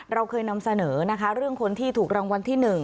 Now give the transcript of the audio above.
เราเคยนำเสนอนะคะเรื่องคนที่ถูกรางวัลที่๑